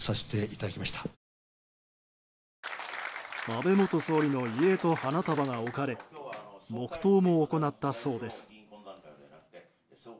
安倍元総理の遺影と花束が置かれ黙祷も行ったそうです。